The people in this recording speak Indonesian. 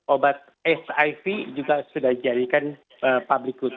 obat siv juga sudah dijadikan public good